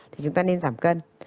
thì chúng ta nên giảm cân